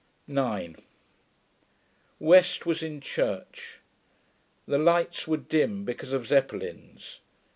9 West was in church. The lights were dim, because of Zeppelins.